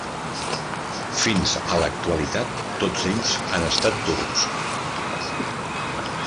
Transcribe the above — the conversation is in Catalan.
Fins a l'actualitat tots ells han estat turcs.